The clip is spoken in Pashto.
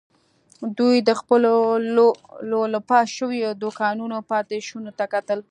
دوی د خپلو لولپه شويو دوکانونو پاتې شونو ته کتل.